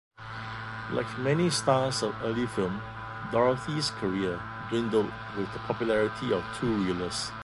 Like many stars of early film, Dorothy's career dwindled with the popularity of two-reelers.